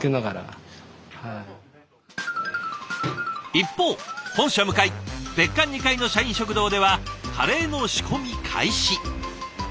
一方本社向かい別館２階の社員食堂ではカレーの仕込み開始。